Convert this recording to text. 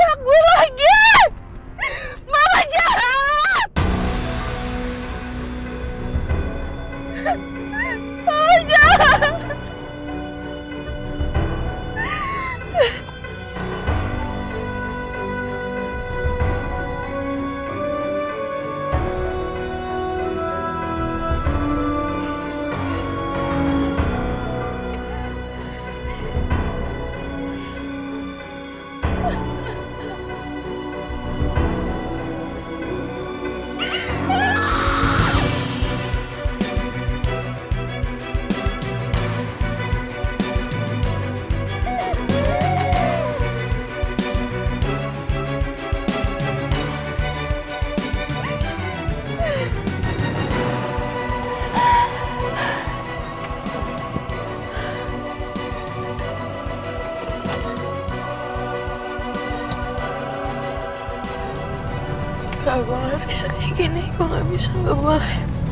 aku gak bisa kayak gini aku gak bisa gak boleh